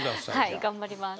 はい頑張ります